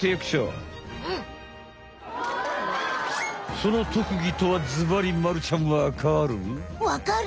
その特技とはずばりまるちゃんわかる？わかる？